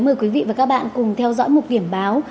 mời quý vị và các bạn cùng theo dõi một điểm báo